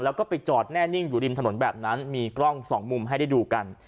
แล้วก็ไปจอดแน่นิ่งอยู่ริมถนนแบบนั้นมีกล้องสองมุมให้ได้ดูกัน